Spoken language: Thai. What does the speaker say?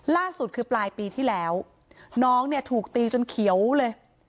ล่าสุดคือปลายปีที่แล้วน้องเนี่ยถูกตีจนเขียวเลย